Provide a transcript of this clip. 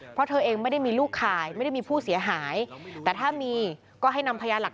เพราะเธอเองไม่ได้มีลูกข่ายไม่ได้มีผู้เสียหาย